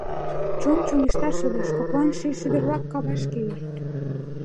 Чон чоҥешташ йодеш, коклан ший шӱдыр-влак кавашке ӱжыт.